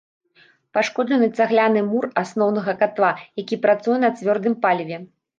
Пашкоджаны цагляны мур асноўнага катла, які працуе на цвёрдым паліве.